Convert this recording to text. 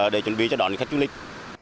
để chuẩn bị cho đón khách du lịch